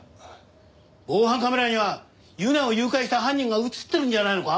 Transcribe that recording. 防犯カメラには優菜を誘拐した犯人が映ってるんじゃないのか？